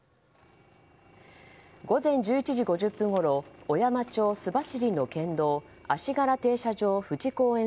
午前１１時５０分ごろ小山町の県道足柄停車場富士公園